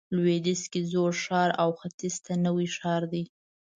لویدیځ کې زوړ ښار او ختیځ ته نوی ښار دی.